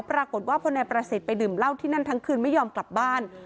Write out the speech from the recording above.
ปรากฏว่าพอนายประสิทธิ์ไปดื่มเหล้าที่นั่นทั้งคืนไม่ยอมกลับบ้าน